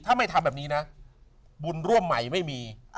ถ้าไม่ทำแบบนี้นะบุญร่วมใหม่ไม่มี